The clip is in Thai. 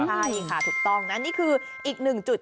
ใช่ค่ะถูกต้องนะนี่คืออีกหนึ่งจุด